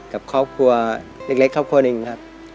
กับครอบครัวเล็กครอบครัวหนึ่งครับ